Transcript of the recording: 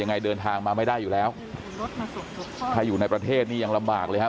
เดินทางมาไม่ได้อยู่แล้วถ้าอยู่ในประเทศนี้ยังลำบากเลยฮะ